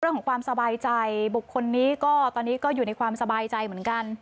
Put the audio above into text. ความสบายใจบุคคลนี้ก็ตอนนี้ก็อยู่ในความสบายใจเหมือนกัน